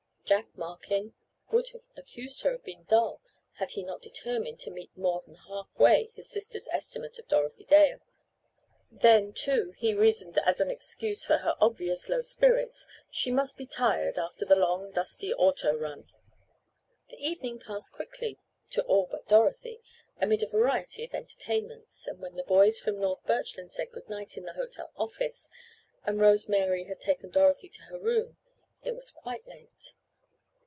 Jack Markin would have accused her of being dull had he not determined to meet more than half way his sister's estimate of Dorothy Dale. Then too, he reasoned as an excuse for her obvious low spirits, she must be tired after the long, dusty auto run. The evening passed quickly (to all but Dorothy) amid a variety of entertainments, and when the boys from North Birchland said good night in the hotel office and Rose Mary had taken Dorothy to her room, it was quite late.